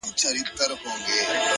هره ورځ د نوي امکان زېری راوړي